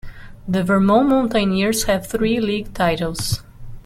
The Vermont Mountaineers have three league titles.